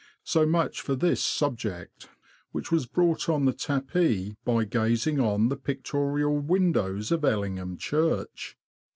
So much for this sub ject, which was brought on the tapis by gazing on the pictorial windows of Ellingham Church.